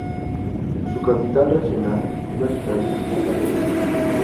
Su capital regional es la ciudad de Zihuatanejo.